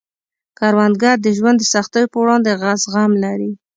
کروندګر د ژوند د سختیو په وړاندې زغم لري